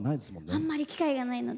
あんまり機会がないので。